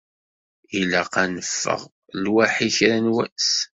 Ilaq ad neffeɣ lwaḥi kra n wass.